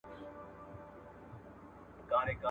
عدالت دا دی چې د بل حق ته درناوی وشي.